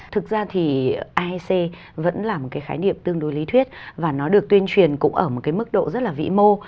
thực ra thì aec vẫn là một cái khái niệm tương đối lý thuyết và nó được tuyên truyền cũng ở một cái mức độ rất là vĩ mô